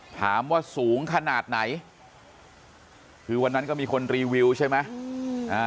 ถามว่าสูงขนาดไหนคือวันนั้นก็มีคนรีวิวใช่ไหม